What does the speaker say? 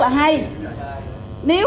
mà không có điện